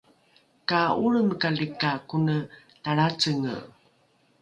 ka olremekali ka kone talracenge